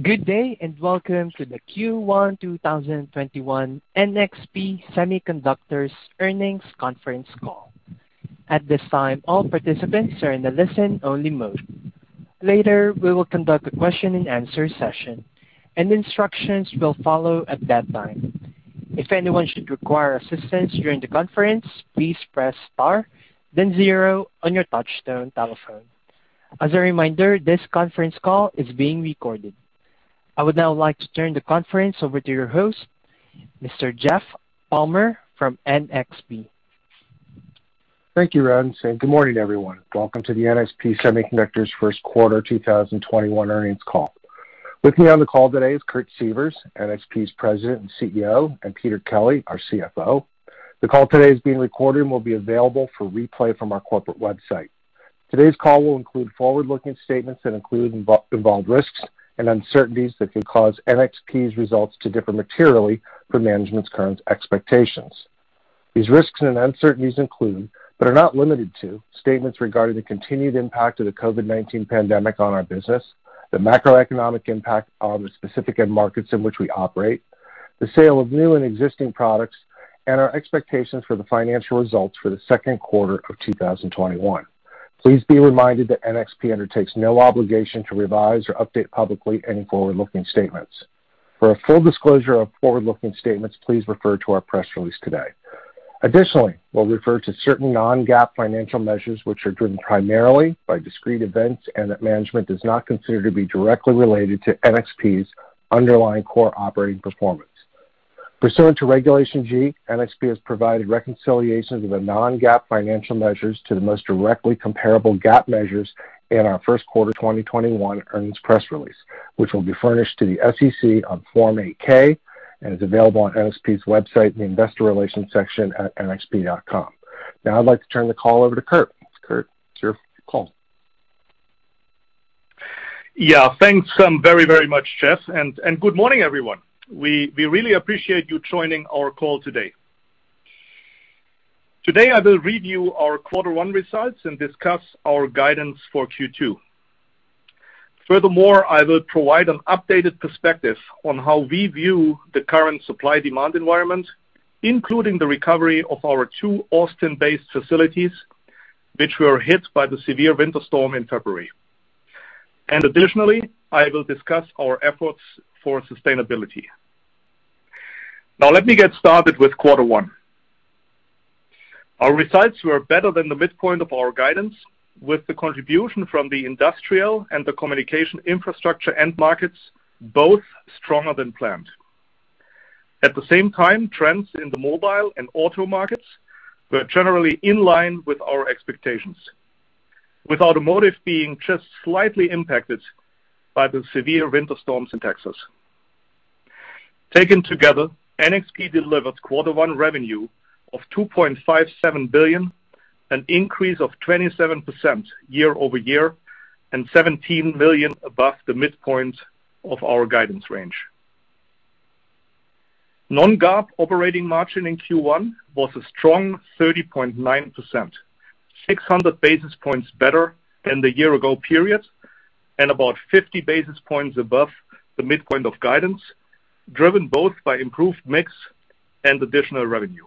Good day, and welcome to the Q1 2021 NXP Semiconductors Earnings Conference Call. At this time, all participants are in a listen-only mode. Later, we will conduct a question-and-answer session, and instructions will follow at that time. If anyone should require assistance during the conference, please press *0 on your touchtone telephone. As a reminder, this conference call is being recorded. I would now like to turn the conference over to your host, Mr. Jeff Palmer from NXP. Thank you, Rohan, and good morning, everyone. Welcome to the NXP Semiconductors Q1 2021 Earnings Call. With me on the call today is Kurt Sievers, NXP's President and CEO, and Peter Kelly, our CFO. The call today is being recorded and will be available for replay from our corporate website. Today's call will include forward-looking statements that include involved risks and uncertainties that could cause NXP's results to differ materially from management's current expectations. These risks and uncertainties include, but are not limited to, statements regarding the continued impact of the COVID-19 pandemic on our business, the macroeconomic impact on the specific end markets in which we operate, the sale of new and existing products, and our expectations for the financial results for the Q2 of 2021. Please be reminded that NXP undertakes no obligation to revise or update publicly any forward-looking statements. For a full disclosure of forward-looking statements, please refer to our press release today. Additionally, we'll refer to certain non-GAAP financial measures which are driven primarily by discrete events and that management does not consider to be directly related to NXP's underlying core operating performance. Pursuant to Regulation G, NXP has provided reconciliations of the non-GAAP financial measures to the most directly comparable GAAP measures in our Q1 2021 earnings press release, which will be furnished to the SEC on Form 8-K and is available on NXP's website in the Investor Relations section at nxp.com. Now I'd like to turn the call over to Kurt. Kurt, it's your call. Yeah, thanks very, very much, Jeff, good morning, everyone. We really appreciate you joining our call today. Today, I will review our Q1 results and discuss our guidance for Q2. Furthermore, I will provide an updated perspective on how we view the current supply-demand environment, including the recovery of our two Austin-based facilities, which were hit by the severe winter storm in February. Additionally, I will discuss our efforts for sustainability. Now let me get started with Q1. Our results were better than the midpoint of our guidance, with the contribution from the industrial and the communication infrastructure end markets both stronger than planned. At the same time, trends in the mobile and auto markets were generally in line with our expectations, with automotive being just slightly impacted by the severe winter storms in Texas. Taken together, NXP delivered Q1 revenue of $2.57 billion, an increase of 27% year-over-year, and $17 million above the midpoint of our guidance range. non-GAAP operating margin in Q1 was a strong 30.9%, 600 basis points better than the year-ago period, and about 50 basis points above the midpoint of guidance, driven both by improved mix and additional revenue.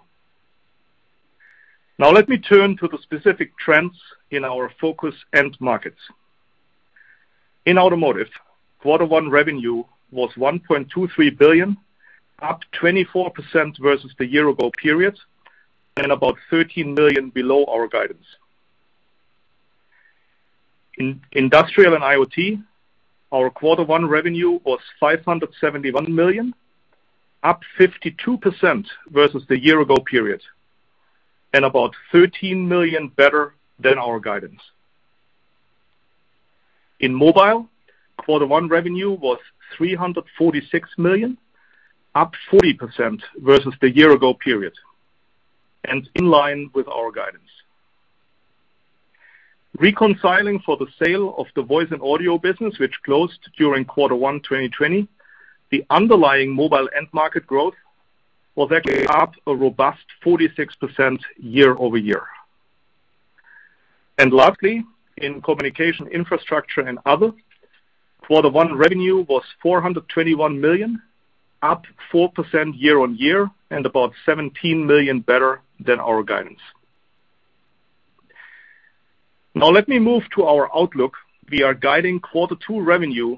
Now let me turn to the specific trends in our focus end markets. In automotive, Q1 revenue was $1.23 billion, up 24% versus the year-ago period, and about $13 million below our guidance. In industrial and IoT, our Q1 revenue was $571 million, up 52% versus the year-ago period, and about $13 million better than our guidance. In mobile, Q1 revenue was $346 million, up 40% versus the year-ago period, in line with our guidance. Reconciling for the sale of the voice and audio business, which closed during Q1 2020, the underlying mobile end market growth was actually up a robust 46% year-over-year. Lastly, in communication infrastructure and other, Q1 revenue was $421 million, up 4% year-on-year, about $17 million better than our guidance. Let me move to our outlook. We are guiding Q2 revenue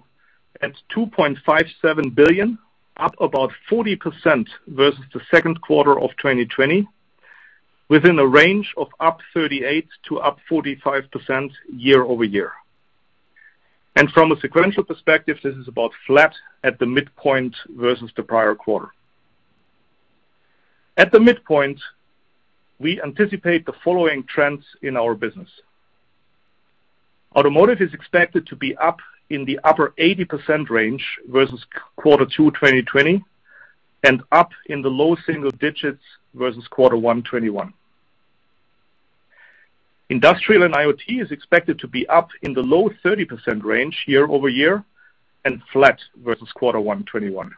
at $2.57 billion, up about 40% versus the Q2 of 2020, within a range of up 38%-45% year-over-year. From a sequential perspective, this is about flat at the midpoint versus the prior quarter. At the midpoint, we anticipate the following trends in our business. Automotive is expected to be up in the upper 80% range versus Q2 2020 and up in the low single digits versus Q1 2021. Industrial and IoT is expected to be up in the low 30% range year-over-year and flat versus Q1 2021.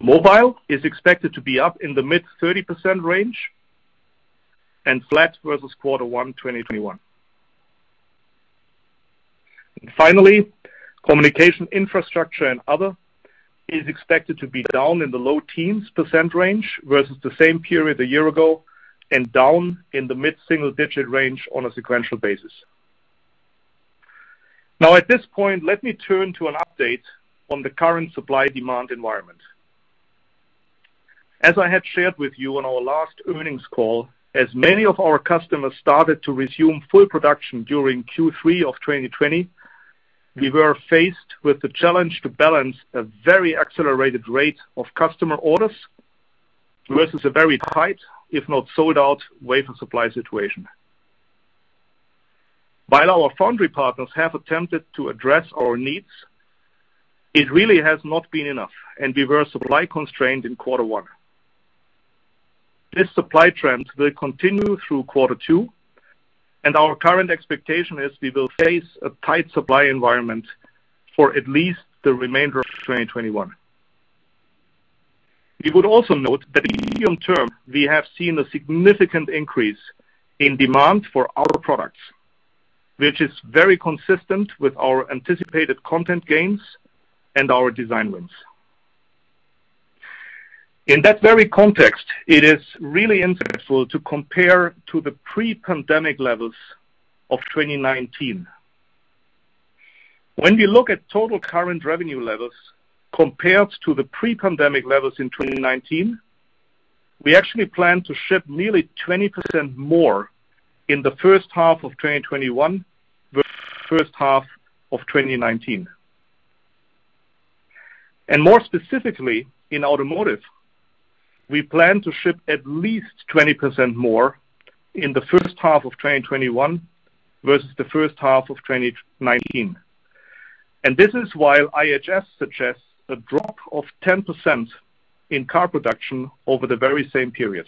Mobile is expected to be up in the mid 30% range and flat versus Q1 2021. Finally, communication infrastructure and other is expected to be down in the low teens % range versus the same period a year ago and down in the mid-single digit range on a sequential basis. At this point, let me turn to an update on the current supply-demand environment. As I had shared with you on our last earnings call, as many of our customers started to resume full production during Q3 of 2020, we were faced with the challenge to balance a very accelerated rate of customer orders versus a very tight, if not sold-out, wafer supply situation. While our foundry partners have attempted to address our needs, it really has not been enough, and we were supply-constrained in Q1. This supply trend will continue through Q2, and our current expectation is we will face a tight supply environment for at least the remainder of 2021. We would also note that in the medium term, we have seen a significant increase in demand for our products, which is very consistent with our anticipated content gains and our design wins. In that very context, it is really insightful to compare to the pre-pandemic levels of 2019. When we look at total current revenue levels compared to the pre-pandemic levels in 2019, we actually plan to ship nearly 20% more in the first half of 2021 versus the first half of 2019. More specifically, in automotive, we plan to ship at least 20% more in the first half of 2021 versus the first half of 2019. This is while IHS suggests a drop of 10% in car production over the very same period.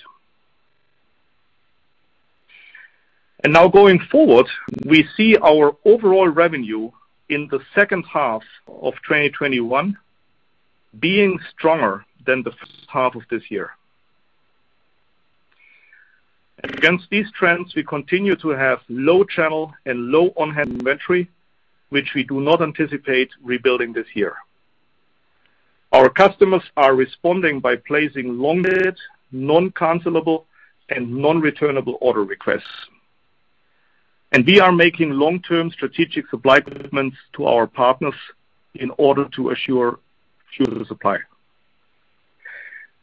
Now going forward, we see our overall revenue in the second half of 2021 being stronger than the first half of this year. Against these trends, we continue to have low channel and low on-hand inventory, which we do not anticipate rebuilding this year. Our customers are responding by placing long lead, non-cancelable, and non-returnable order requests. We are making long-term strategic supply commitments to our partners in order to assure future supply.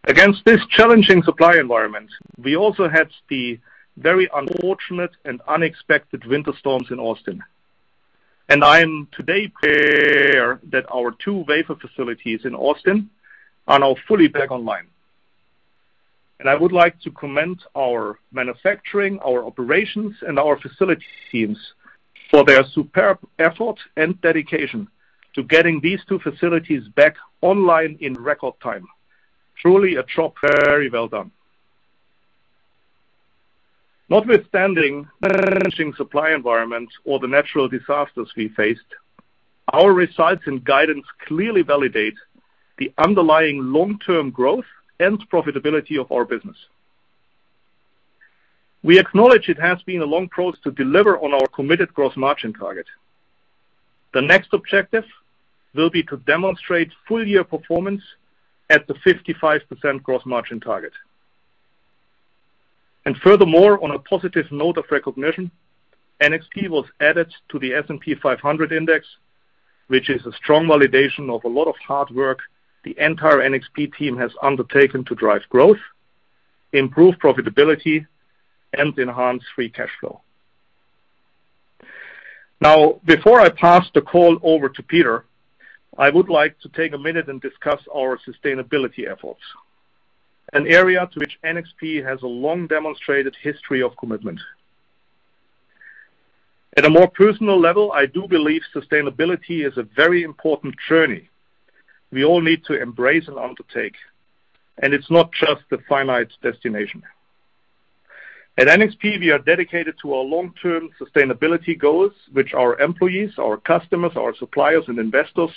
Against this challenging supply environment, we also had the very unfortunate and unexpected winter storms in Austin. I am today proud to share that our two wafer facilities in Austin are now fully back online. I would like to commend our manufacturing, our operations, and our facilities teams for their superb effort and dedication to getting these two facilities back online in record time. Truly a job very well done. Notwithstanding the challenging supply environment or the natural disasters we faced, our results and guidance clearly validate the underlying long-term growth and profitability of our business. We acknowledge it has been a long process to deliver on our committed gross margin target. The next objective will be to demonstrate full-year performance at the 55% gross margin target. Furthermore, on a positive note of recognition, NXP was added to the S&P 500 index, which is a strong validation of a lot of hard work the entire NXP team has undertaken to drive growth, improve profitability, and enhance free cash flow. Now, before I pass the call over to Peter, I would like to take a minute and discuss our sustainability efforts, an area to which NXP has a long-demonstrated history of commitment. At a more personal level, I do believe sustainability is a very important journey we all need to embrace and undertake, and it's not just the finite destination. At NXP, we are dedicated to our long-term sustainability goals, which our employees, our customers, our suppliers, and investors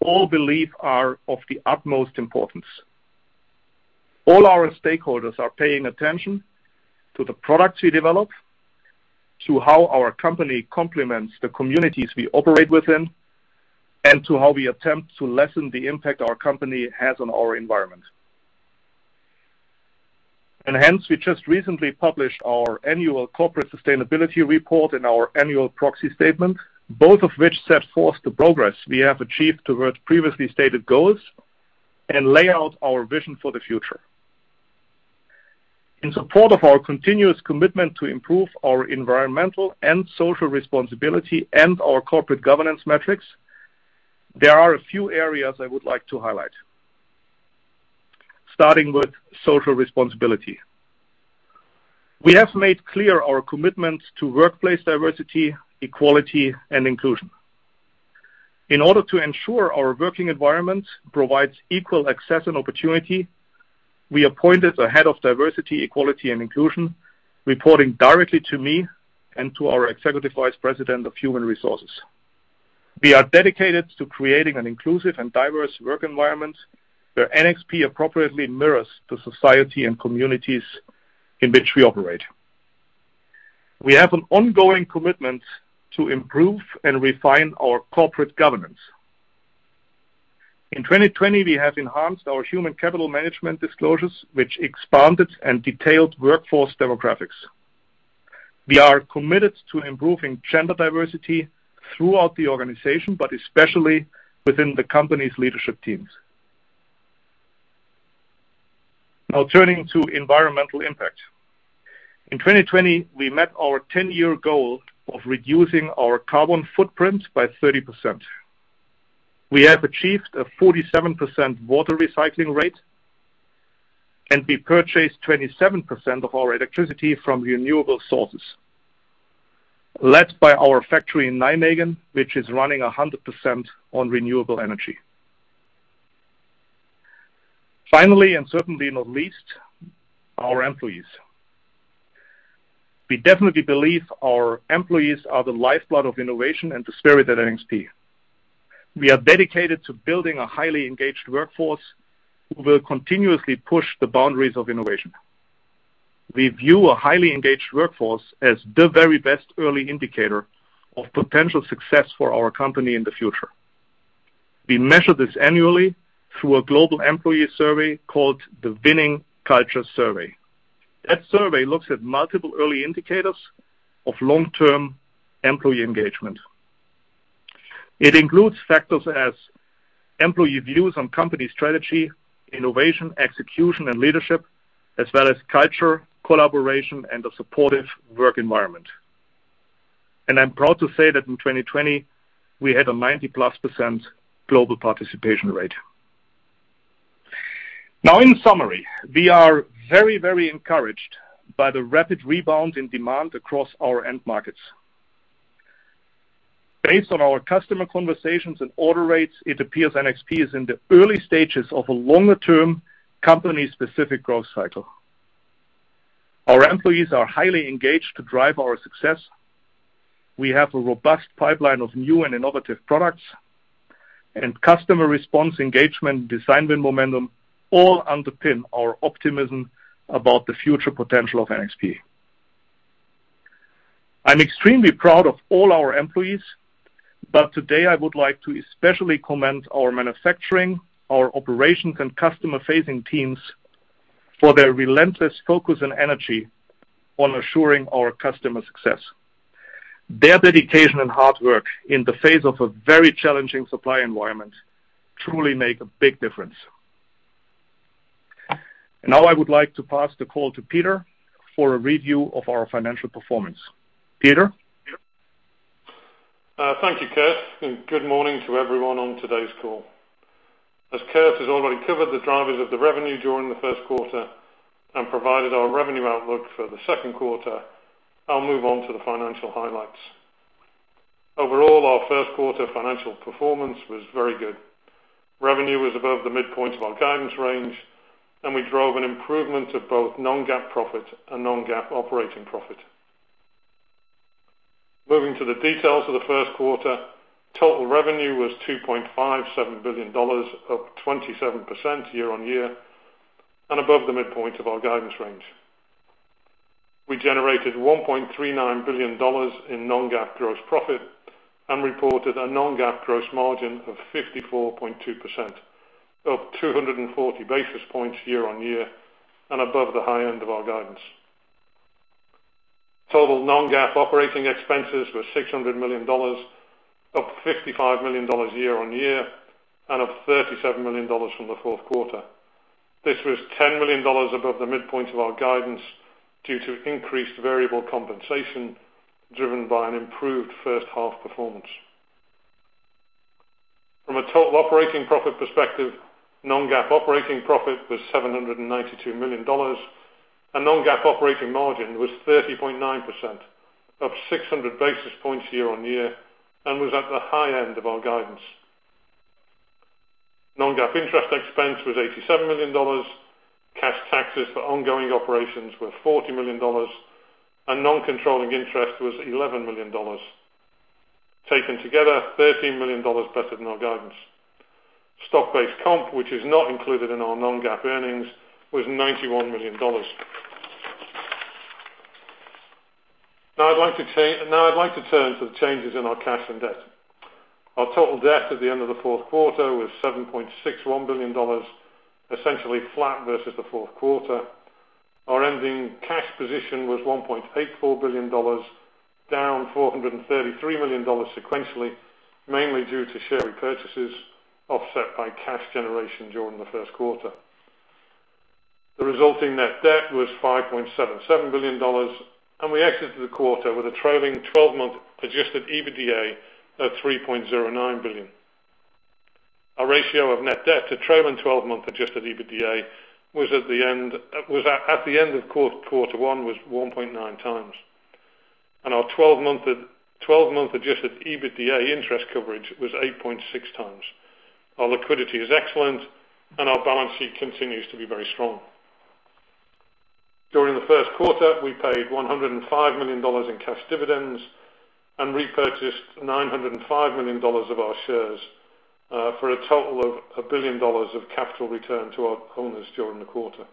all believe are of the utmost importance. All our stakeholders are paying attention to the products we develop, to how our company complements the communities we operate within, and to how we attempt to lessen the impact our company has on our environment. Hence, we just recently published our annual corporate sustainability report and our annual proxy statement, both of which set forth the progress we have achieved towards previously stated goals and lay out our vision for the future. In support of our continuous commitment to improve our environmental and social responsibility and our corporate governance metrics, there are a few areas I would like to highlight. Starting with social responsibility. We have made clear our commitment to workplace diversity, equality, and inclusion. In order to ensure our working environment provides equal access and opportunity, we appointed a head of diversity, equality, and inclusion, reporting directly to me and to our executive vice president of human resources. We are dedicated to creating an inclusive and diverse work environment where NXP appropriately mirrors the society and communities in which we operate. We have an ongoing commitment to improve and refine our corporate governance. In 2020, we have enhanced our human capital management disclosures, which expanded and detailed workforce demographics. We are committed to improving gender diversity throughout the organization, but especially within the company's leadership teams. Now turning to environmental impact. In 2020, we met our 10-year goal of reducing our carbon footprint by 30%. We have achieved a 47% water recycling rate, and we purchased 27% of our electricity from renewable sources, led by our factory in Nijmegen, which is running 100% on renewable energy. Finally, and certainly not least, our employees. We definitely believe our employees are the lifeblood of innovation and the spirit at NXP. We are dedicated to building a highly engaged workforce who will continuously push the boundaries of innovation. We view a highly engaged workforce as the very best early indicator of potential success for our company in the future. We measure this annually through a global employee survey called the Winning Culture Survey. That survey looks at multiple early indicators of long-term employee engagement. It includes factors as employee views on company strategy, innovation, execution, and leadership, as well as culture, collaboration, and a supportive work environment. I'm proud to say that in 2020, we had a 90-plus% global participation rate. In summary, we are very encouraged by the rapid rebound in demand across our end markets. Based on our customer conversations and order rates, it appears NXP is in the early stages of a longer-term company-specific growth cycle. Our employees are highly engaged to drive our success. We have a robust pipeline of new and innovative products, and customer response engagement and design win momentum all underpin our optimism about the future potential of NXP. I'm extremely proud of all our employees, but today I would like to especially commend our manufacturing, our operations, and customer-facing teams for their relentless focus and energy on assuring our customer success. Their dedication and hard work in the face of a very challenging supply environment truly make a big difference. Now I would like to pass the call to Peter for a review of our financial performance. Peter? Thank you, Kurt, and good morning to everyone on today's call. As Kurt has already covered the drivers of the revenue during the Q1 and provided our revenue outlook for the Q2, I'll move on to the financial highlights. Overall, our Q1 financial performance was very good. Revenue was above the midpoint of our guidance range, and we drove an improvement of both non-GAAP profit and non-GAAP operating profit. Moving to the details of the Q1, total revenue was $2.57 billion, up 27% year-on-year, and above the midpoint of our guidance range. We generated $1.39 billion in non-GAAP gross profit and reported a non-GAAP gross margin of 54.2%, up 240 basis points year-on-year and above the high end of our guidance. Total non-GAAP operating expenses were $600 million, up $55 million year-on-year, and up $37 million from the Q4. This was $10 million above the midpoint of our guidance due to increased variable compensation driven by an improved first half performance. From a total operating profit perspective, non-GAAP operating profit was $792 million and non-GAAP operating margin was 30.9%, up 600 basis points year-over-year and was at the high end of our guidance. Non-GAAP interest expense was $87 million. Cash taxes for ongoing operations were $40 million, and non-controlling interest was $11 million. Taken together, $13 million better than our guidance. Stock-based comp, which is not included in our non-GAAP earnings, was $91 million. I'd like to turn to the changes in our cash and debt. Our total debt at the end of the Q1 was $7.61 billion, essentially flat versus the Q4. Our ending cash position was $1.84 billion, down $433 million sequentially, mainly due to share repurchases offset by cash generation during the Q1. The resulting net debt was $5.77 billion, and we exited the quarter with a trailing 12-month adjusted EBITDA of $3.09 billion. Our ratio of net debt to trailing 12-month adjusted EBITDA at the end of Q1 was 1.9x. Our 12-month adjusted EBITDA interest coverage was 8.6x. Our liquidity is excellent, and our balance sheet continues to be very strong. During the Q1, we paid $105 million in cash dividends and repurchased $905 million of our shares for a total of $1 billion of capital return to our owners during the quarter.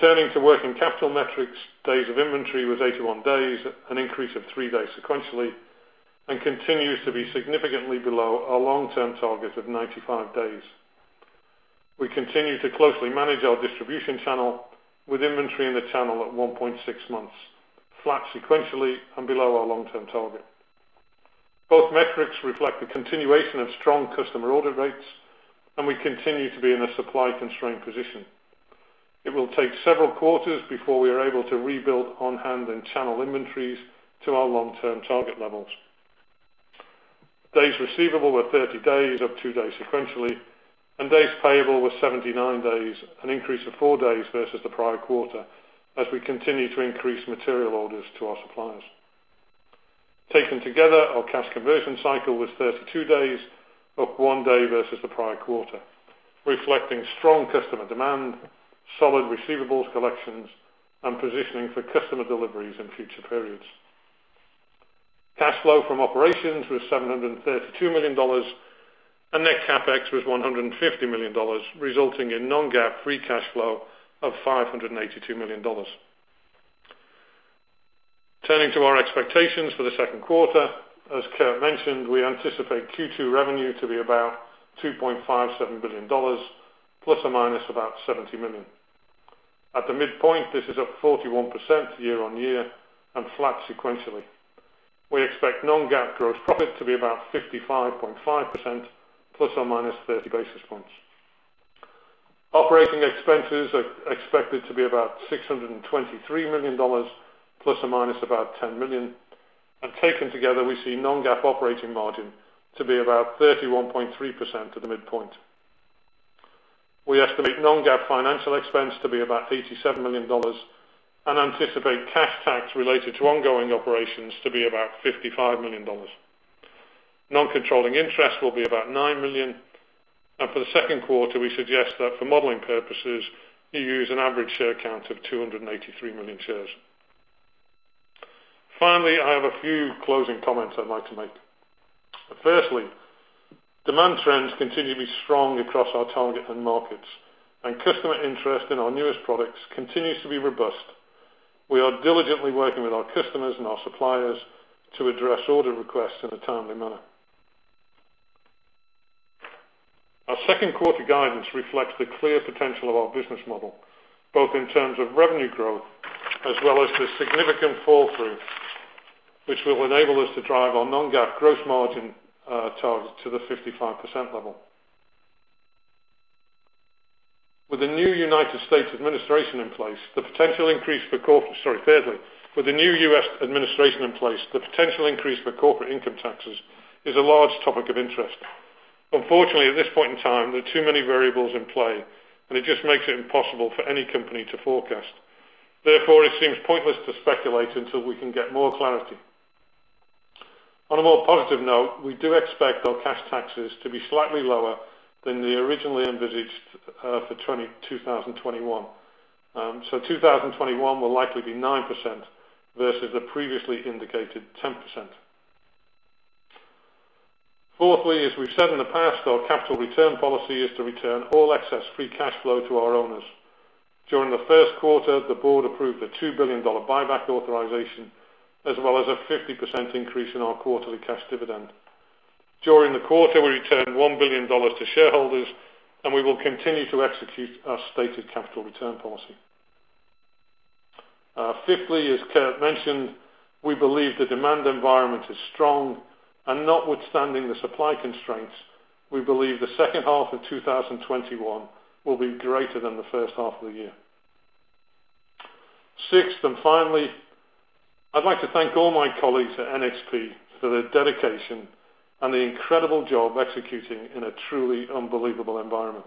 Turning to working capital metrics, days of inventory was 81 days, an increase of three days sequentially, and continues to be significantly below our long-term target of 95 days. We continue to closely manage our distribution channel with inventory in the channel at 1.6 months, flat sequentially, and below our long-term target. Both metrics reflect the continuation of strong customer order rates, and we continue to be in a supply-constrained position. It will take several quarters before we are able to rebuild on-hand and channel inventories to our long-term target levels. Days receivable were 30 days, up two days sequentially, and days payable was 79 days, an increase of four days versus the prior quarter, as we continue to increase material orders to our suppliers. Taken together, our cash conversion cycle was 32 days, up one day versus the prior quarter, reflecting strong customer demand, solid receivables collections, and positioning for customer deliveries in future periods. Cash flow from operations was $732 million, and net CapEx was $150 million, resulting in non-GAAP free cash flow of $582 million. Turning to our expectations for the Q2, as Kurt mentioned, we anticipate Q2 revenue to be about $2.57 billion, ±$70 million. At the midpoint, this is up 41% year-on-year and flat sequentially. We expect non-GAAP gross profit to be about 55.5%, ±30 basis points. Operating expenses are expected to be about $623 million, ±$10 million. Taken together, we see non-GAAP operating margin to be about 31.3% at the midpoint. We estimate non-GAAP financial expense to be about $87 million and anticipate cash tax related to ongoing operations to be about $55 million. Non-controlling interest will be about $9 million. For the Q2, we suggest that for modeling purposes, you use an average share count of 283 million shares. Finally, I have a few closing comments I'd like to make. Firstly, demand trends continue to be strong across our target end markets. Customer interest in our newest products continues to be robust. We are diligently working with our customers and our suppliers to address order requests in a timely manner. Our Q2 guidance reflects the clear potential of our business model, both in terms of revenue growth as well as the significant fall-through, which will enable us to drive our non-GAAP gross margin target to the 55% level. Thirdly, with the new U.S. administration in place, the potential increase for corporate income taxes is a large topic of interest. Unfortunately, at this point in time, there are too many variables in play, and it just makes it impossible for any company to forecast. Therefore, it seems pointless to speculate until we can get more clarity. On a more positive note, we do expect our cash taxes to be slightly lower than the originally envisaged for 2021. 2021 will likely be 9% versus the previously indicated 10%. Fourthly, as we've said in the past, our capital return policy is to return all excess free cash flow to our owners. During the Q1, the board approved a $2 billion buyback authorization, as well as a 50% increase in our quarterly cash dividend. During the quarter, we returned $1 billion to shareholders, and we will continue to execute our stated capital return policy. Fifthly, as Kurt mentioned, we believe the demand environment is strong, and notwithstanding the supply constraints, we believe the second half of 2021 will be greater than the first half of the year. Sixth and finally, I'd like to thank all my colleagues at NXP for their dedication and the incredible job executing in a truly unbelievable environment.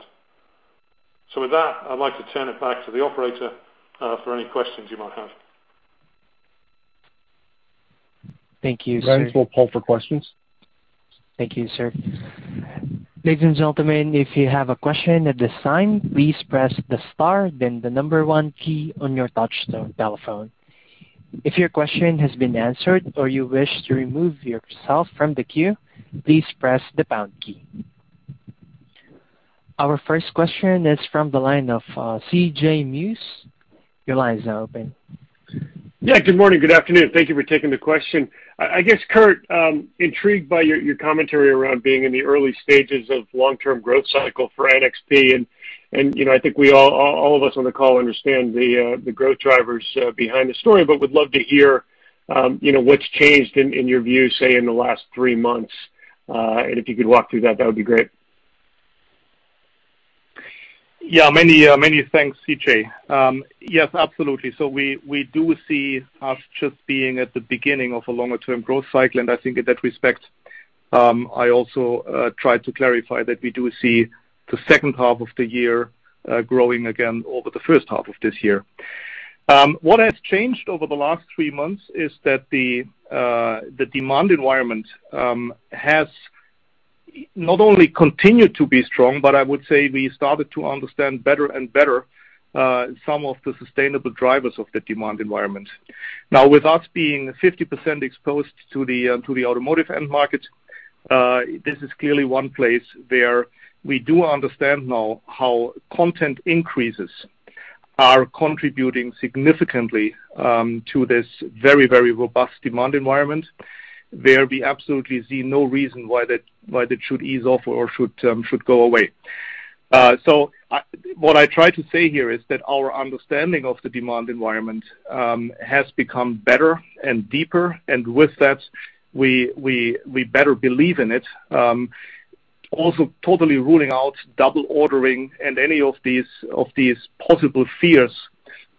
With that, I'd like to turn it back to the operator for any questions you might have. We'll now pull for questions. Thank you, sir. Our first question is from the line of CJ Muse. Your line is now open. Yeah. Good morning, good afternoon. Thank you for taking the question. I guess, Kurt, intrigued by your commentary around being in the early stages of long-term growth cycle for NXP, and I think all of us on the call understand the growth drivers behind the story, but would love to hear what's changed in your view, say, in the last three months. If you could walk through that would be great. Yeah. Many thanks, CJ. Yes, absolutely. We do see us just being at the beginning of a longer-term growth cycle, and I think in that respect, I also tried to clarify that we do see the second half of the year growing again over the first half of this year. What has changed over the last three months is that the demand environment has Not only continued to be strong, but I would say we started to understand better and better some of the sustainable drivers of the demand environment. With us being 50% exposed to the automotive end market, this is clearly one place where we do understand now how content increases are contributing significantly to this very robust demand environment, where we absolutely see no reason why that should ease off or should go away. What I try to say here is that our understanding of the demand environment has become better and deeper, and with that, we better believe in it. Also totally ruling out double ordering and any of these possible fears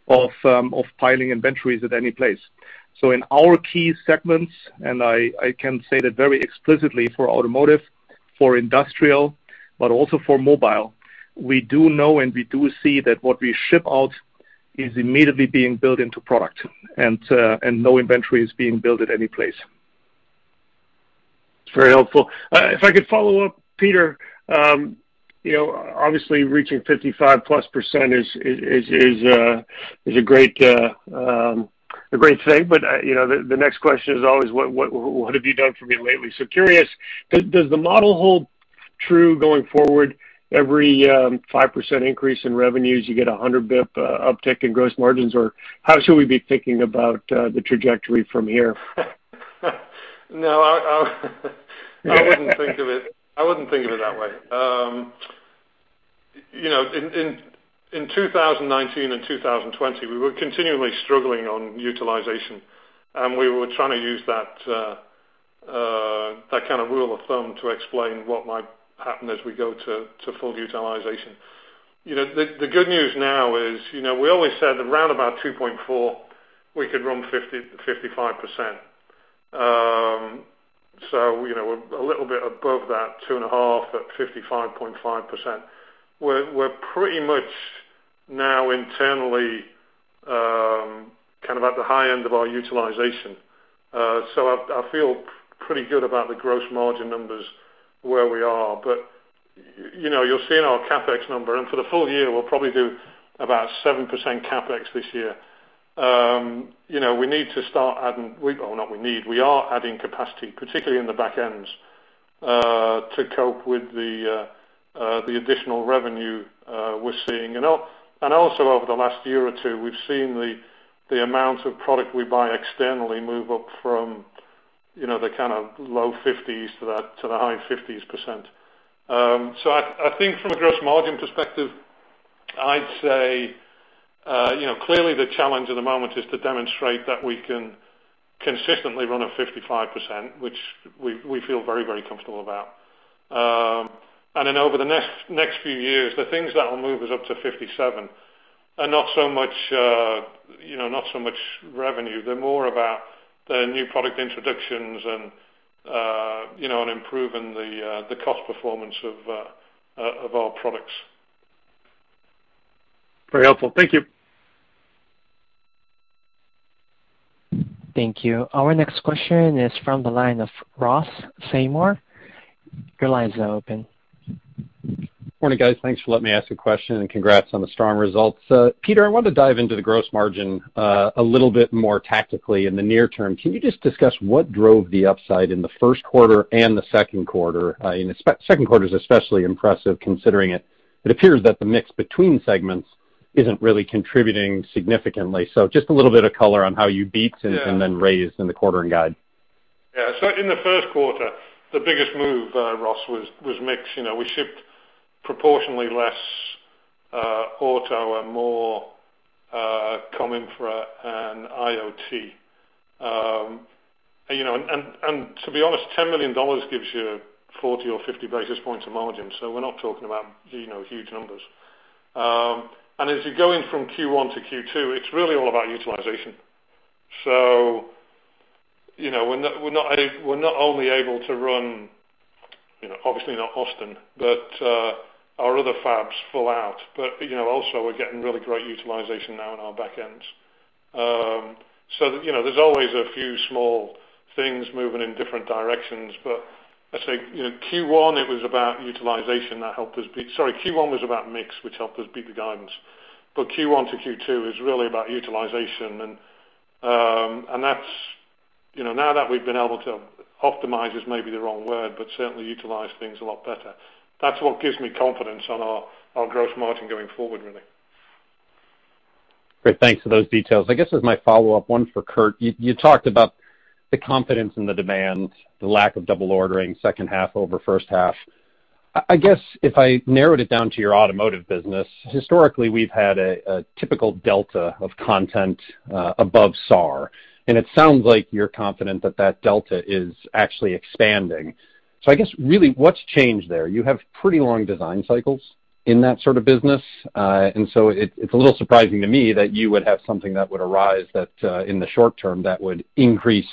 of piling inventories at any place. In our key segments, and I can say that very explicitly for automotive, for industrial, but also for mobile, we do know and we do see that what we ship out is immediately being built into product and no inventory is being built at any place. That's very helpful. If I could follow up, Peter. Obviously reaching 55-plus% is a great thing, but the next question is always, what have you done for me lately? Curious, does the model hold true going forward? Every 5% increase in revenues, you get 100 basis point uptick in gross margins, or how should we be thinking about the trajectory from here? No, I wouldn't think of it that way. In 2019 and 2020, we were continually struggling on utilization, and we were trying to use that kind of rule of thumb to explain what might happen as we go to full utilization. The good news now is we always said that round about 2.4, we could run 55%. A little bit above that 2.5, at 55.5%. We're pretty much now internally at the high end of our utilization. I feel pretty good about the gross margin numbers where we are. You'll see in our CapEx number, and for the full year, we'll probably do about 7% CapEx this year. We are adding capacity, particularly in the back ends, to cope with the additional revenue we're seeing. Also over the last year or two, we've seen the amount of product we buy externally move up from the low 50s to the high 50s%. I think from a gross margin perspective, I'd say clearly the challenge at the moment is to demonstrate that we can consistently run a 55%, which we feel very comfortable about. Then over the next few years, the things that will move us up to 57% are not so much revenue. They're more about the new product introductions and improving the cost performance of our products. Very helpful. Thank you. Thank you. Our next question is from the line of Ross Seymore. Your line is now open. Morning, guys. Thanks for letting me ask a question and congrats on the strong results. Peter, I wanted to dive into the gross margin a little bit more tactically in the near term. Can you just discuss what drove the upside in the Q1 and the Q2? Q2 is especially impressive considering it appears that the mix between segments isn't really contributing significantly. Just a little bit of color on how you beat and then raised in the quarter and guide. Yeah. In the Q1, the biggest move, Ross, was mix. We shipped proportionally less auto and more coming from Industrial and IoT. To be honest, $10 million gives you 40 or 50 basis points of margin, we're not talking about huge numbers. As you're going from Q1 to Q2, it's really all about utilization. We're not only able to run, obviously not Austin, but our other fabs full out. Also we're getting really great utilization now in our back ends. There's always a few small things moving in different directions. Let's say, Q1 was about mix, which helped us beat the guidance. Q1 to Q2 is really about utilization. Now that we've been able to, optimize is maybe the wrong word, certainly utilize things a lot better. That's what gives me confidence on our gross margin going forward, really. Great. Thanks for those details. I guess as my follow-up, one for Kurt. You talked about the confidence in the demand, the lack of double ordering, second half over first half. I guess if I narrowed it down to your automotive business, historically, we've had a typical delta of content above SAR, and it sounds like you're confident that that delta is actually expanding. I guess really, what's changed there? You have pretty long design cycles in that sort of business. It's a little surprising to me that you would have something that would arise that in the short term, that would increase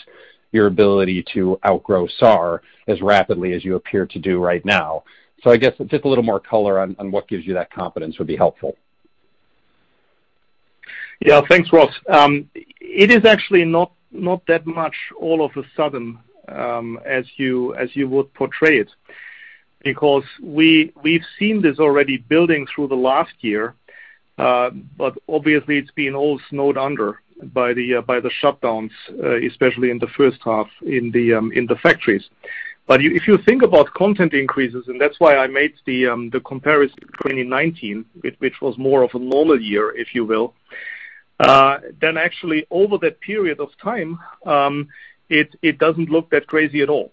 your ability to outgrow SAR as rapidly as you appear to do right now. I guess just a little more color on what gives you that confidence would be helpful. Yeah, thanks, Ross. It is actually not that much all of a sudden, as you would portray it, because we've seen this already building through the last year, but obviously it's been all snowed under by the shutdowns, especially in the first half in the factories. If you think about content increases, and that's why I made the comparison to 2019, which was more of a normal year, if you will, then actually over that period of time, it doesn't look that crazy at all.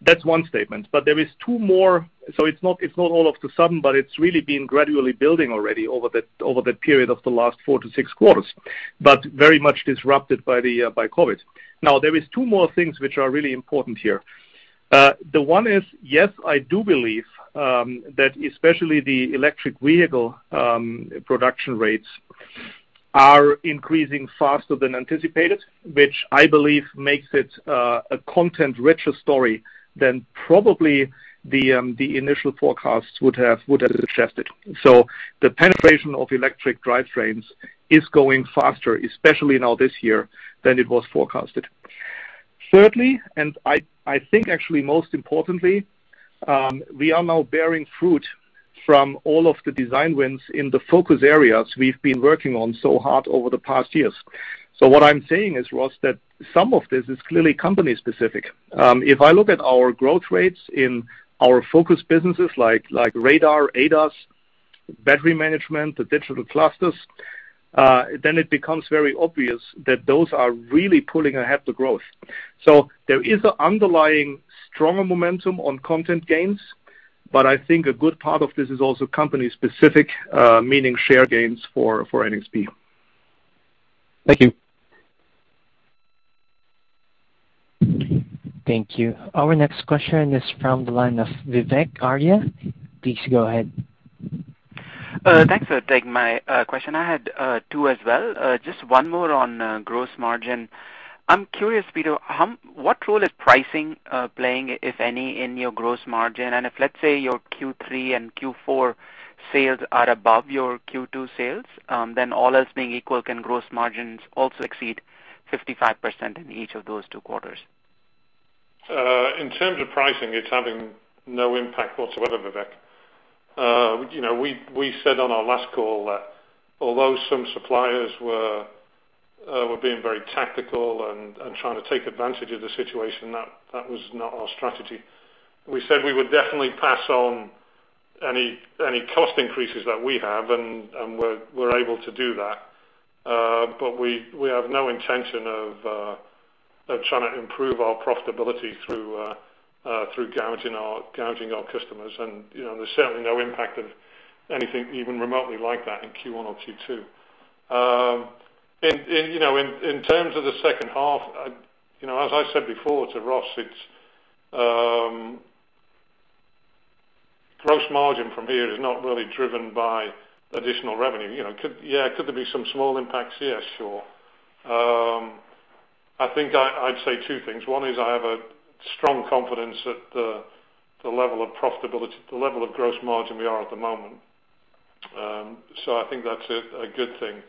That's one statement, but there is two more. It's not all of a sudden, but it's really been gradually building already over the period of the last four to six quarters, but very much disrupted by COVID. There is two more things which are really important here. The one is, yes, I do believe that especially the electric vehicle production rates are increasing faster than anticipated, which I believe makes it a content richer story than probably the initial forecasts would have suggested. The penetration of electric drivetrains is going faster, especially now this year, than it was forecasted. Thirdly, and I think actually most importantly, we are now bearing fruit from all of the design wins in the focus areas we've been working on so hard over the past years. What I'm saying is, Ross, that some of this is clearly company specific. If I look at our growth rates in our focus businesses like radar, ADAS, battery management, the digital clusters, then it becomes very obvious that those are really pulling ahead the growth. There is an underlying stronger momentum on content gains, but I think a good part of this is also company specific, meaning share gains for NXP. Thank you. Thank you. Our next question is from the line of Vivek Arya. Please go ahead. Thanks for taking my question. I had two as well. Just one more on gross margin. I'm curious, Peter, what role is pricing playing, if any, in your gross margin? If, let's say, your Q3 and Q4 sales are above your Q2 sales, then all else being equal, can gross margins also exceed 55% in each of those two quarters? In terms of pricing, it's having no impact whatsoever, Vivek. We said on our last call that although some suppliers were being very tactical and trying to take advantage of the situation, that was not our strategy. We said we would definitely pass on any cost increases that we have, and we're able to do that. We have no intention of trying to improve our profitability through gouging our customers, and there's certainly no impact of anything even remotely like that in Q1 or Q2. In terms of the second half, as I said before to Ross, gross margin from here is not really driven by additional revenue. Could there be some small impacts here? Sure. I think I'd say two things. One is I have a strong confidence at the level of profitability, the level of gross margin we are at the moment. I think that's a good thing,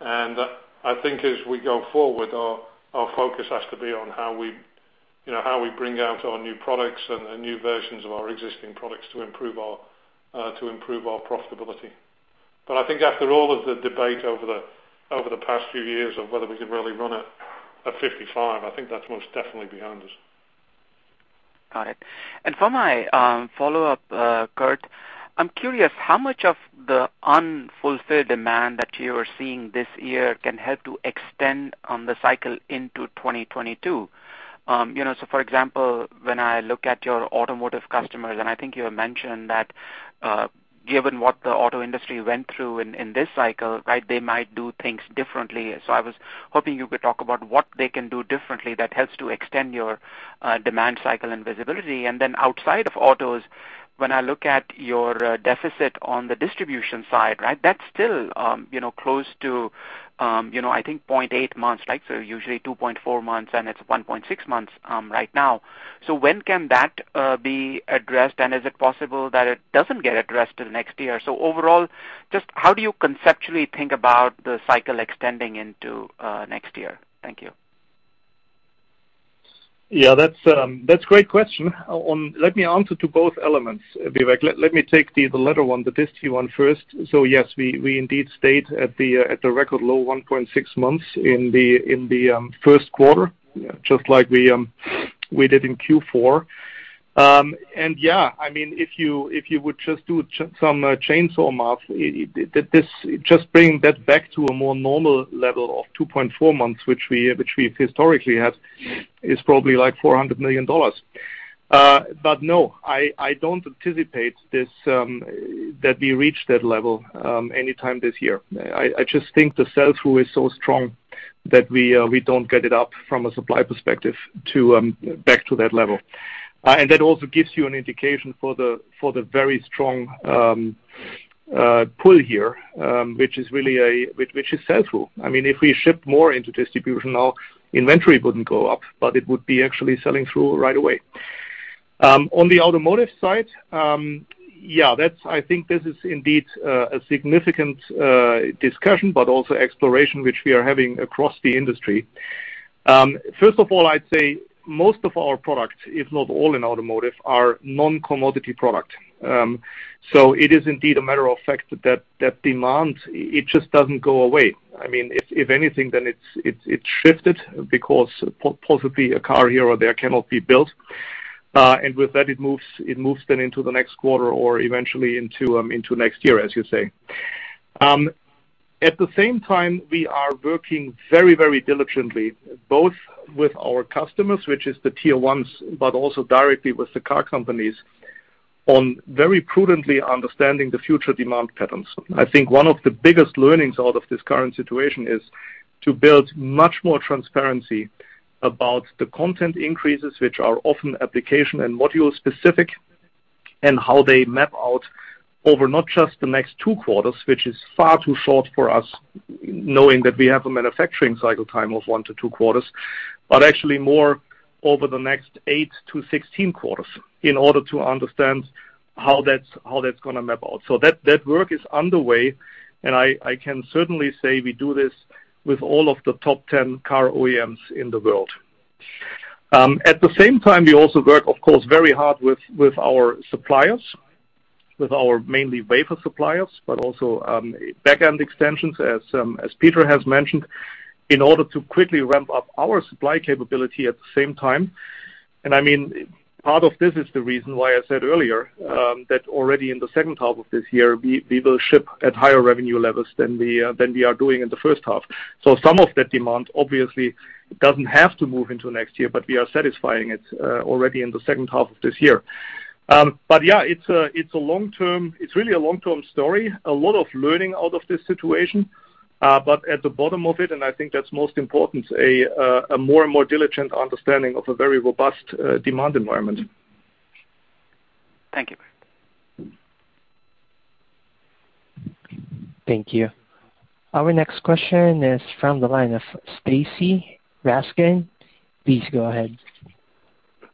and I think as we go forward, our focus has to be on how we bring out our new products and new versions of our existing products to improve our profitability. I think after all of the debate over the past few years of whether we could really run at 55, I think that's most definitely behind us. Got it. For my follow-up, Kurt, I'm curious how much of the unfulfilled demand that you are seeing this year can help to extend on the cycle into 2022? For example, when I look at your automotive customers, and I think you have mentioned that given what the auto industry went through in this cycle, they might do things differently. I was hoping you could talk about what they can do differently that helps to extend your demand cycle and visibility. Outside of autos, when I look at your deficit on the distribution side, that's still close to, I think, 0.8 months. Usually 2.4 months, and it's 1.6 months right now. When can that be addressed, and is it possible that it doesn't get addressed till next year? Overall, just how do you conceptually think about the cycle extending into next year? Thank you. Yeah, that's a great question. Let me answer to both elements, Vivek. Let me take the latter one, the disti one first. Yes, we indeed stayed at the record low 1.6 months in the Q1, just like we did in Q4. Yeah, if you would just do some chainnel math, just bringing that back to a more normal level of 2.4 months, which we historically have, is probably like $400 million. No, I don't anticipate that we reach that level anytime this year. I just think the sell-through is so strong that we don't get it up from a supply perspective back to that level. That also gives you an indication for the very strong pull here, which is sell-through. If we ship more into distribution, our inventory wouldn't go up, but it would be actually selling through right away. On the automotive side, I think this is indeed a significant discussion, but also exploration, which we are having across the industry. First of all, I'd say most of our products, if not all in automotive, are non-commodity product. It is indeed a matter of fact that demand, it just doesn't go away. If anything, it shifted because possibly a car here or there cannot be built. With that, it moves then into the next quarter or eventually into next year, as you say. At the same time, we are working very, very diligently, both with our customers, which is the tier 1s, but also directly with the car companies, on very prudently understanding the future demand patterns. I think one of the biggest learnings out of this current situation is to build much more transparency about the content increases, which are often application and module-specific, and how they map out over not just the next two quarters, which is far too short for us, knowing that we have a manufacturing cycle time of one to two quarters, but actually more over the next 8-to-16 quarters in order to understand how that's going to map out. That work is underway, and I can certainly say we do this with all of the top 10 car OEMs in the world. At the same time, we also work, of course, very hard with our suppliers, with our mainly wafer suppliers, but also back-end extensions, as Peter has mentioned, in order to quickly ramp up our supply capability at the same time. Part of this is the reason why I said earlier, that already in the second half of this year, we will ship at higher revenue levels than we are doing in the first half. Some of that demand obviously doesn't have to move into next year, but we are satisfying it already in the second half of this year. Yeah, it's really a long-term story. A lot of learning out of this situation. At the bottom of it, and I think that's most important, a more and more diligent understanding of a very robust demand environment. Thank you. Thank you. Our next question is from the line of Stacy Rasgon. Please go ahead.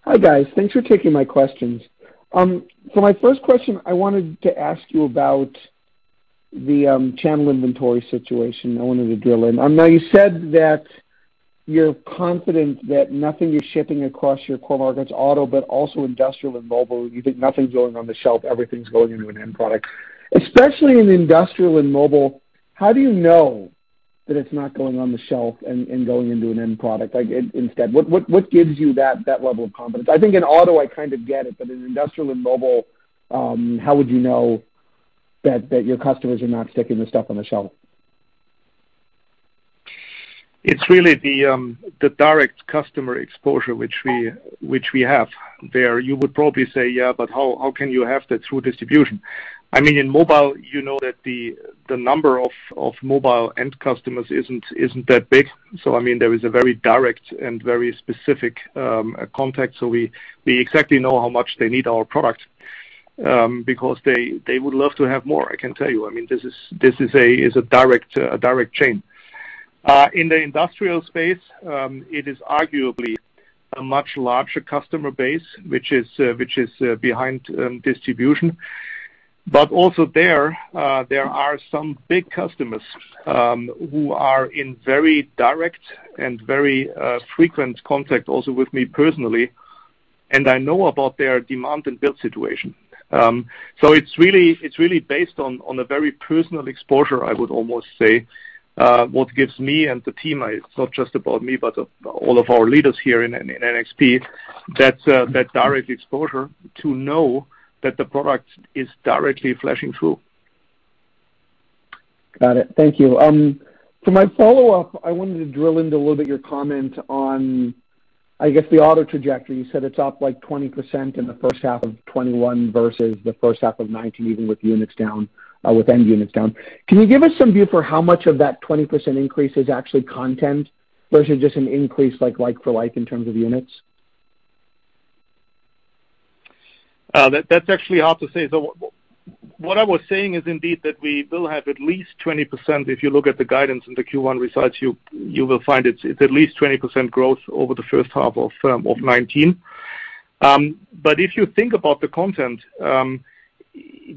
Hi, guys. Thanks for taking my questions. My first question, I wanted to ask you about the channel inventory situation. I wanted to drill in. Now, you said that you're confident that nothing you're shipping across your core markets, auto, but also industrial and mobile, you think nothing's going on the shelf, everything's going into an end product. Especially in industrial and mobile, how do you know that it's not going on the shelf and going into an end product instead? What gives you that level of confidence? I think in auto, I kind of get it, but in industrial and mobile, how would you know that your customers are not sticking the stuff on the shelf? It's really the direct customer exposure which we have there. You would probably say, "Yeah, how can you have that through distribution?" In mobile, you know that the number of mobile end customers isn't that big. There is a very direct and very specific contact. We exactly know how much they need our product, because they would love to have more, I can tell you. This is a direct chain. In the industrial space, it is arguably a much larger customer base, which is behind distribution. Also there are some big customers who are in very direct and very frequent contact also with me personally, and I know about their demand and build situation. It's really based on a very personal exposure, I would almost say, what gives me and the team, it's not just about me, but all of our leaders here in NXP, that direct exposure to know that the product is directly flashing through. Got it. Thank you. For my follow-up, I wanted to drill into a little bit your comment on, I guess, the auto trajectory. You said it's up like 20% in the first half of 2021 versus the first half of 2019, even with end units down. Can you give us some view for how much of that 20% increase is actually content versus just an increase like for like in terms of units? That's actually hard to say. What I was saying is indeed that we will have at least 20%. If you look at the guidance in the Q1 results, you will find it's at least 20% growth over the first half of 2019. If you think about the content,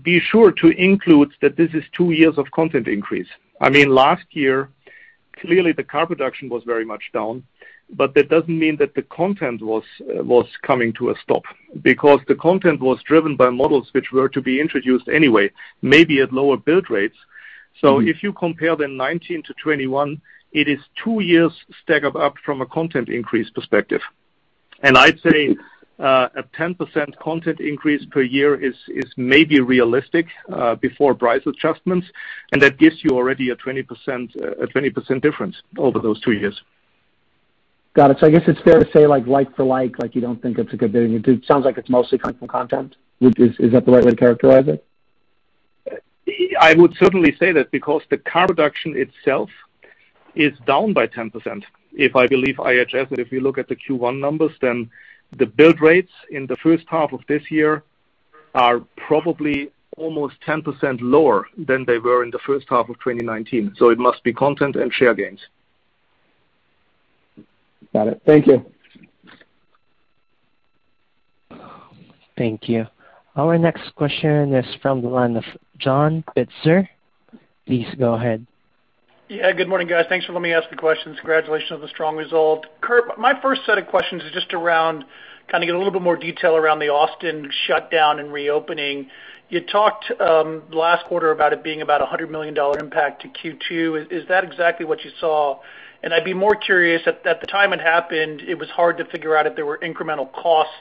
be sure to include that this is two years of content increase. Last year, clearly the car production was very much down, but that doesn't mean that the content was coming to a stop, because the content was driven by models which were to be introduced anyway, maybe at lower build rates. If you compare then 2019 to 2021, it is two years stack up from a content increase perspective. I'd say a 10% content increase per year is maybe realistic before price adjustments, and that gives you already a 20% difference over those two years. Got it. I guess it's fair to say like for like you don't think it's a good thing. It sounds like it's mostly coming from content. Is that the right way to characterize it? I would certainly say that because the car production itself is down by 10%. If I believe IHS, and if you look at the Q1 numbers, then the build rates in the first half of this year are probably almost 10% lower than they were in the first half of 2019. It must be content and share gains. Got it. Thank you. Thank you. Our next question is from the line of John Pitzer. Please go ahead. Yeah, good morning, guys. Thanks for letting me ask the questions. Congratulations on the strong result. Kurt, my first set of questions is just to get a little bit more detail around the Austin shutdown and reopening. You talked last quarter about it being about $100 million impact to Q2. Is that exactly what you saw? I'd be more curious, at the time it happened, it was hard to figure out if there were incremental costs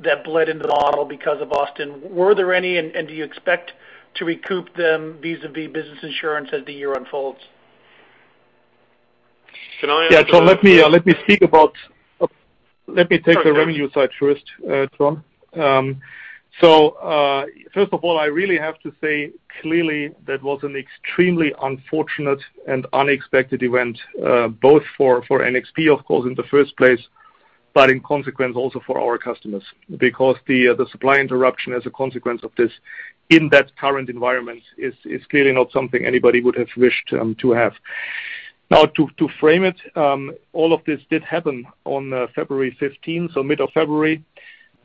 that bled into the model because of Austin. Were there any, and do you expect to recoup them vis-à-vis business insurance as the year unfolds? John, let me take the revenue side first. First of all, I really have to say clearly that was an extremely unfortunate and unexpected event, both for NXP, of course, in the first place, but in consequence also for our customers, because the supply interruption as a consequence of this in that current environment is clearly not something anybody would have wished to have. To frame it, all of this did happen on February 15th, so mid of February.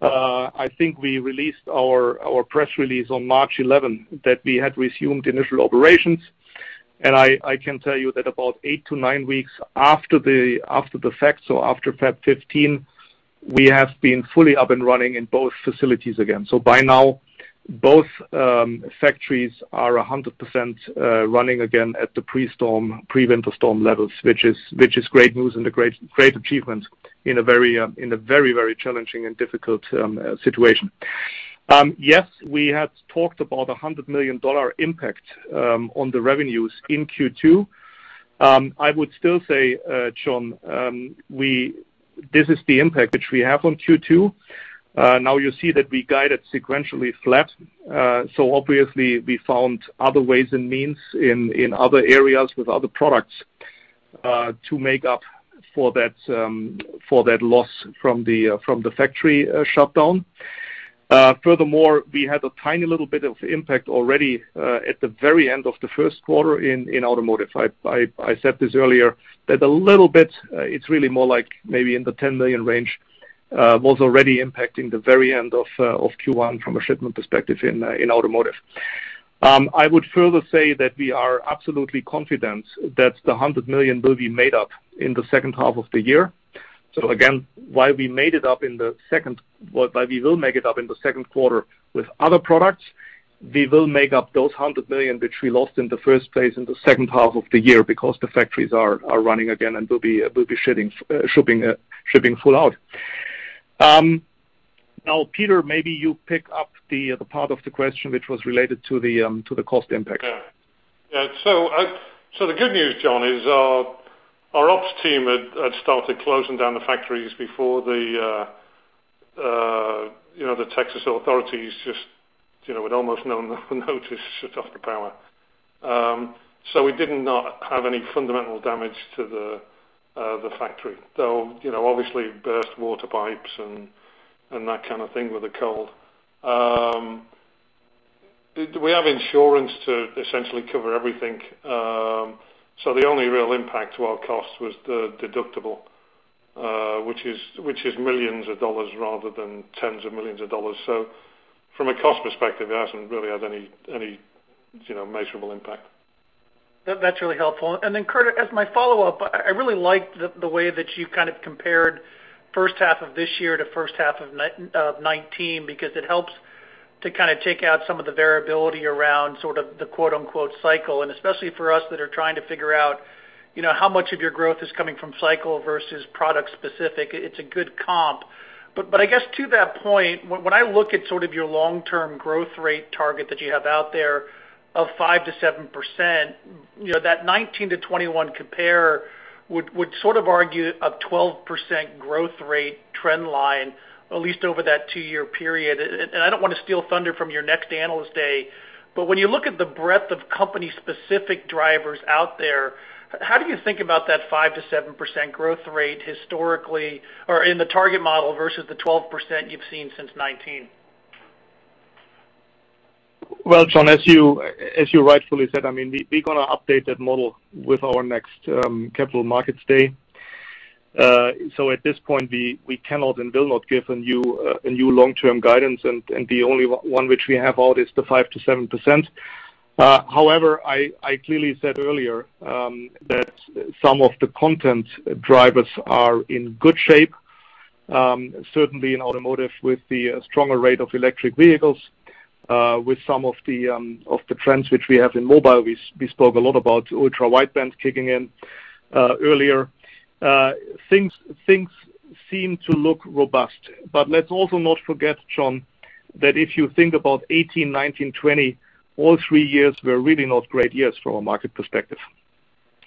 I think we released our press release on March 11th that we had resumed initial operations, and I can tell you that about eight to nine weeks after the fact, so after February 15, we have been fully up and running in both facilities again. By now, both factories are 100% running again at the pre-winter storm levels, which is great news and a great achievement in a very challenging and difficult situation. Yes, we had talked about a $100 million impact on the revenues in Q2. I would still say, John, this is the impact which we have on Q2. Now you see that we guided sequentially flat. Obviously we found other ways and means in other areas with other products, to make up for that loss from the factory shutdown. Furthermore, we had a tiny little bit of impact already at the very end of the Q1 in automotive. I said this earlier, that a little bit, it's really more like maybe in the $10 million range, was already impacting the very end of Q1 from a shipment perspective in automotive. I would further say that we are absolutely confident that the $100 million will be made up in the second half of the year. While we will make it up in the Q2 with other products, we will make up those $100 million, which we lost in the first place in the second half of the year because the factories are running again and will be shipping full out. Peter, maybe you pick up the part of the question which was related to the cost impact. The good news, John, is our ops team had started closing down the factories before the Texas authorities just with almost no notice, shut off the power. We did not have any fundamental damage to the factory, though, obviously burst water pipes and that kind of thing with the cold. We have insurance to essentially cover everything. The only real impact to our cost was the deductible, which is millions of dollars rather than tens of millions of dollars. From a cost perspective, it doesn't really have any measurable impact. That's really helpful. Then Kurt, as my follow-up, I really like the way that you compared the first half of this year to the first half of 2019, because it helps to take out some of the variability around sort of the quote-unquote "cycle," and especially for us that are trying to figure out, how much of your growth is coming from cycle versus product specific. It's a good comp. I guess to that point, when I look at sort of your long-term growth rate target that you have out there of 5%-7%, that 2019 to 2021 compare would sort of argue a 12% growth rate trend line, at least over that two-year period. I don't want to steal thunder from your next Analyst Day, but when you look at the breadth of company-specific drivers out there, how do you think about that 5%-7% growth rate historically, or in the target model versus the 12% you've seen since 2019? Well, John, as you rightfully said, we're going to update that model with our next capital markets day. At this point, we cannot and will not give a new long-term guidance, and the only one which we have out is the 5%-7%. However, I clearly said earlier, that some of the content drivers are in good shape. Certainly in automotive with the stronger rate of electric vehicles, with some of the trends which we have in mobile, we spoke a lot about ultra-wideband kicking in earlier. Things seem to look robust. Let's also not forget, John, that if you think about 2018, 2019, 2020, all three years were really not great years from a market perspective.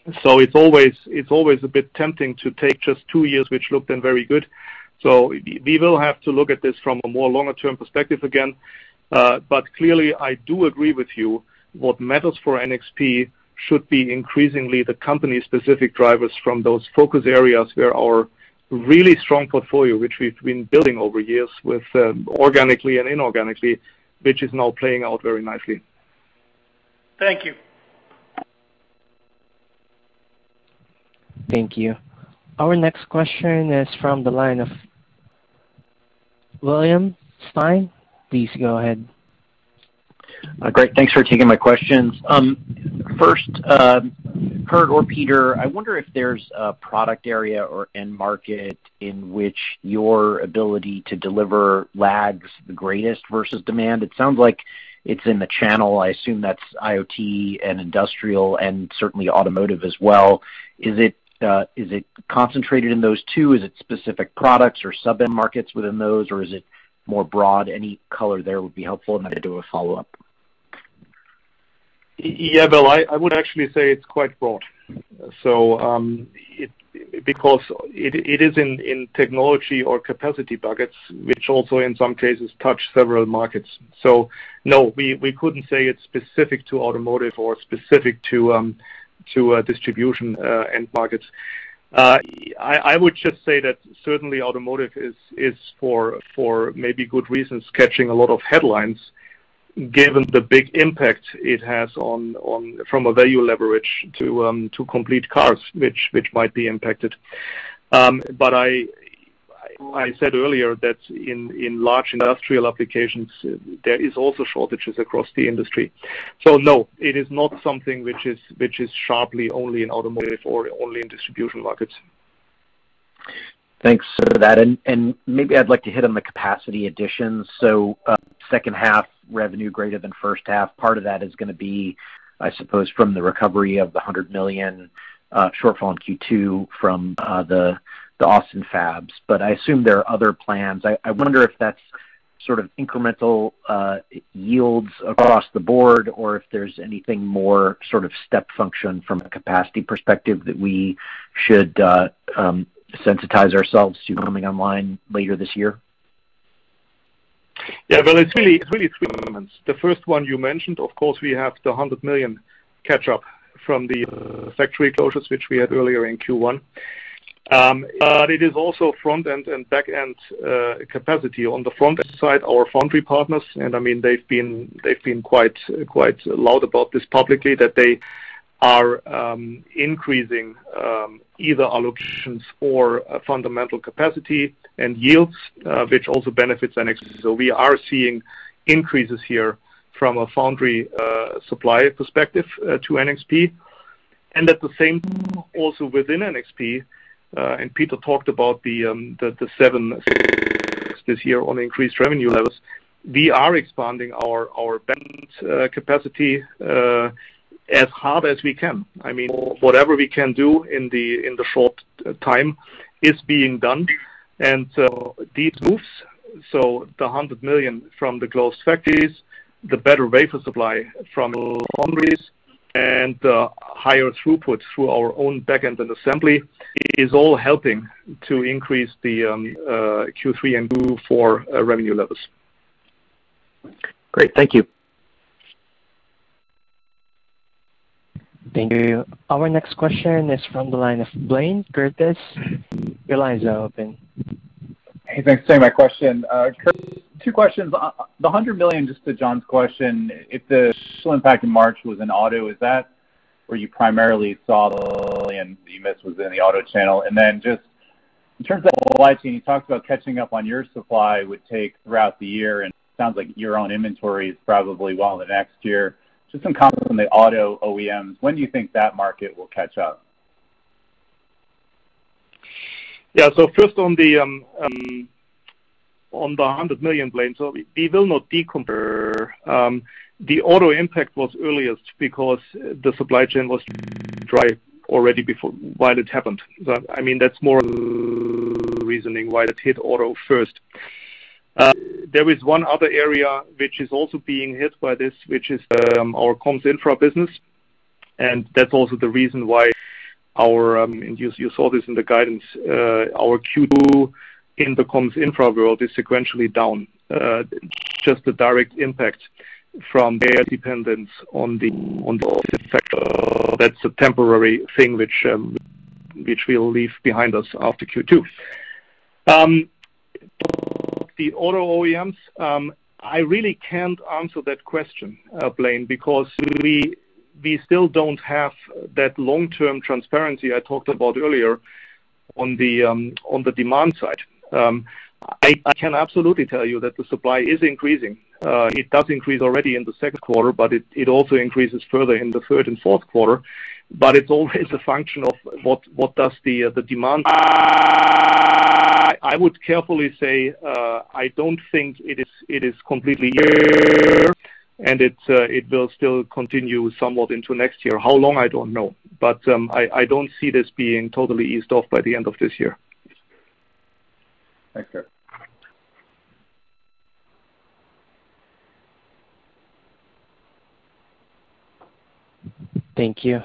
It's always a bit tempting to take just two years, which looked then very good. We will have to look at this from a more longer-term perspective again. Clearly I do agree with you, what matters for NXP should be increasingly the company-specific drivers from those focus areas where our really strong portfolio, which we've been building over years organically and inorganically, which is now playing out very nicely. Thank you. Thank you. Our next question is from the line of William Stein. Please go ahead. Great. Thanks for taking my questions. First, Kurt or Peter, I wonder if there's a product area or end market in which your ability to deliver lags the greatest versus demand. It sounds like it's in the channel. I assume that's IoT and industrial, and certainly automotive as well. Is it concentrated in those two? Is it specific products or sub-end markets within those, or is it more broad? Any color there would be helpful, and then I do a follow-up. Bill, I would actually say it's quite broad. It is in technology or capacity buckets, which also, in some cases, touch several markets. No, we couldn't say it's specific to automotive or specific to distribution end markets. I would just say that certainly automotive is for maybe good reasons, catching a lot of headlines given the big impact it has from a value leverage to complete cars, which might be impacted. I said earlier that in large industrial applications, there is also shortages across the industry. No, it is not something which is sharply only in automotive or only in distribution markets. Thanks for that. Maybe I'd like to hit on the capacity additions. Second half revenue greater than first half, part of that is going to be, I suppose, from the recovery of the $100 million shortfall in Q2 from the Austin fabs. I assume there are other plans. I wonder if that's sort of incremental yields across the board, or if there's anything more sort of step function from a capacity perspective that we should sensitize ourselves to coming online later this year. Yeah. Bill, it's really three elements. The first one you mentioned, of course, we have the $100 million catch-up from the factory closures which we had earlier in Q1. It is also front-end and back-end capacity. On the front-end side, our foundry partners, and they've been quite loud about this publicly, that they are increasing either allocations or fundamental capacity and yields, which also benefits NXP. We are seeing increases here from a foundry supply perspective to NXP. At the same time, also within NXP, and Peter talked about the seven this year on increased revenue levels. We are expanding our back-end capacity, as hard as we can. Whatever we can do in the short time is being done. These moves, so the $100 million from the closed factories, the better wafer supply from foundries, and higher throughput through our own back-end and assembly is all helping to increase the Q3 and Q4 revenue levels. Great. Thank you. Thank you. Our next question is from the line of Blayne Curtis. Your line is now open. Hey, thanks. Taking my question. Kurt, two questions. The $100 million, just to John's question, if the impact in March was in auto, is that where you primarily saw the $100 million you missed was in the auto channel? Just in terms of the supply chain, you talked about catching up on your supply would take throughout the year. It sounds like your own inventory is probably well into next year. Just some comments from the auto OEMs. When do you think that market will catch up? Yeah. First on the $100 million, Blayne, so we will not decompose. The auto impact was earliest because the supply chain was dry already while it happened. That's more reasoning why it hit auto first. There is one other area which is also being hit by this, which is our comms infra business, and that's also the reason why our, and you saw this in the guidance, our Q2 in the comms infra world is sequentially down. Just the direct impact from their dependence on the auto sector. That's a temporary thing which we'll leave behind us after Q2. The auto OEMs, I really can't answer that question, Blayne, because we still don't have that long-term transparency I talked about earlier on the demand side. I can absolutely tell you that the supply is increasing. It does increase already in the Q2, but it also increases further in the Q3 and Q4, but it's always a function of. I would carefully say, I don't think it is completely and it will still continue somewhat into next year. How long? I don't know. I don't see this being totally eased off by the end of this year. Thanks, Kurt. Thank you.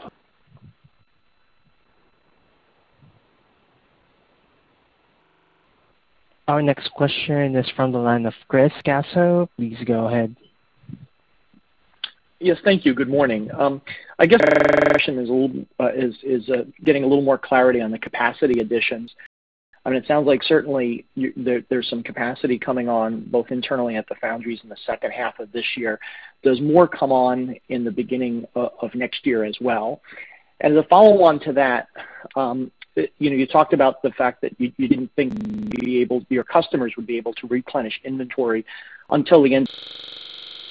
Our next question is from the line of Chris Caso. Please go ahead. Yes, thank you. Good morning. I guess my question is getting a little more clarity on the capacity additions. It sounds like certainly there's some capacity coming on, both internally at the foundries in the second half of this year. Does more come on in the beginning of next year as well? As a follow-on to that, you talked about the fact that you didn't think your customers would be able to replenish inventory until the end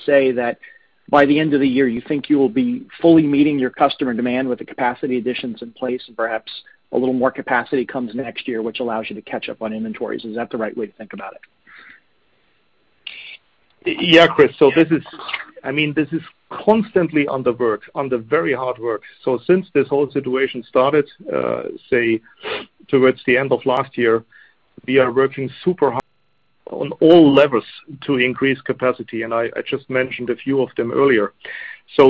say that by the end of the year, you think you will be fully meeting your customer demand with the capacity additions in place, and perhaps a little more capacity comes next year, which allows you to catch up on inventories. Is that the right way to think about it? Yeah, Chris. This is constantly on the works, on the very hard work. Since this whole situation started, say towards the end of last year, we are working super hard on all levels to increase capacity, and I just mentioned a few of them earlier.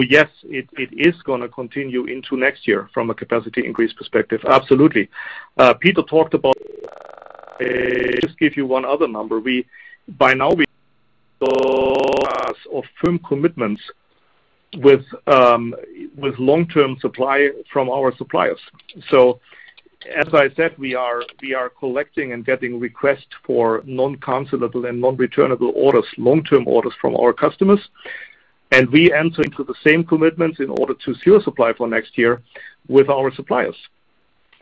Yes, it is going to continue into next year from a capacity increase perspective. Absolutely. Peter talked about just give you one other number. By now, we of firm commitments with long-term supply from our suppliers. As I said, we are collecting and getting requests for non-cancellable and non-returnable orders, long-term orders from our customers, and we enter into the same commitments in order to seal supply for next year with our suppliers.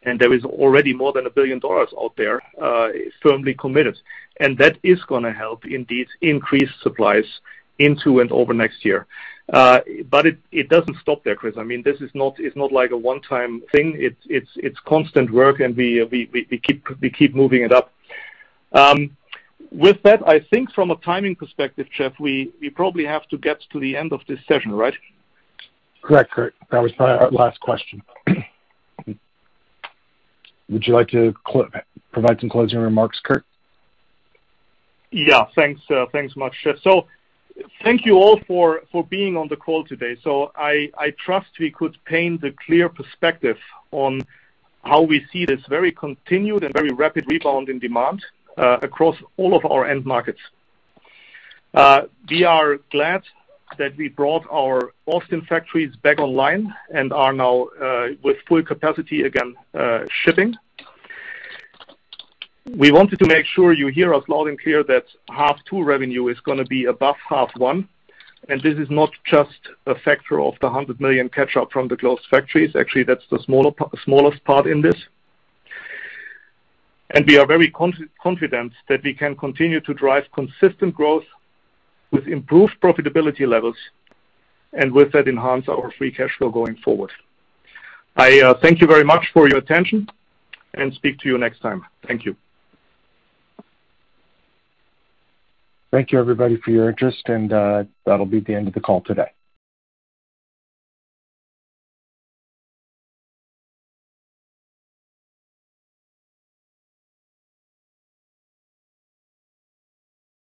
There is already more than $1 billion out there firmly committed, and that is going to help indeed increase supplies into and over next year. It doesn't stop there, Chris. This is not like a one-time thing. It's constant work, and we keep moving it up. With that, I think from a timing perspective, Jeff, we probably have to get to the end of this session, right? Correct, Kurt. That was probably our last question. Would you like to provide some closing remarks, Kurt? Yeah. Thanks much, Jeff. Thank you all for being on the call today. I trust we could paint a clear perspective on how we see this very continued and very rapid rebound in demand across all of our end markets. We are glad that we brought our Austin factories back online and are now with full capacity again, shipping. We wanted to make sure you hear us loud and clear that half two revenue is going to be above half one, and this is not just a factor of the $100 million catch-up from the closed factories. Actually, that's the smallest part in this. We are very confident that we can continue to drive consistent growth with improved profitability levels, and with that, enhance our free cash flow going forward. I thank you very much for your attention and speak to you next time. Thank you. Thank you, everybody, for your interest, and that'll be the end of the call today.